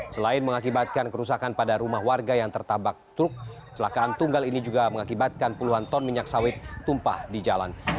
selain mengakibatkan kerusakan pada rumah warga yang tertabak truk kecelakaan tunggal ini juga mengakibatkan puluhan ton minyak sawit tumpah di jalan